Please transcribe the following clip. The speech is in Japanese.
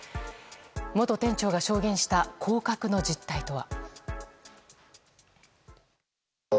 元店長が証言した降格の実態とは。